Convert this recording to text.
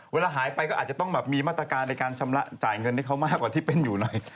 เวลาหายไปก็อาจจะต้องแบบมีมาตรการในการชำระจ่ายเงินให้เขามากกว่าที่เป็นอยู่หน่อย